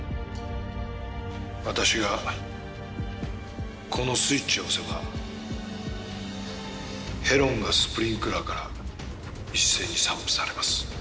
私がこのスイッチを押せばヘロンがスプリンクラーから一斉に散布されます。